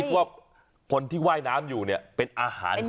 ว่าคนที่ว่ายน้ำอยู่เนี่ยเป็นอาหารของ